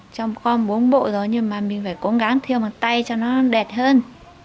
không có bốn bộ rồi nhưng mà mình phải cố gắng thiêu bằng tay cho nó đẹp hơn